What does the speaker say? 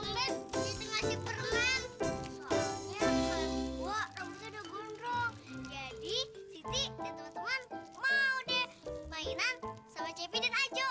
mau deh mainan sama cepi dan ajo